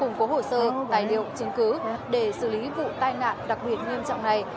cùng có hồ sơ tài liệu chứng cứ để xử lý vụ tai nạn đặc biệt nghiêm trọng này